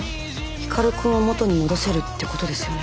光くんを元に戻せるってことですよね？